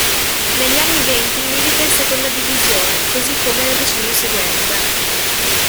Negli anni Venti milita in Seconda Divisione, così come nel decennio seguente.